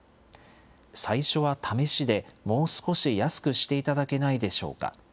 最初は試しでもう少し安くしていただけないでしょうか？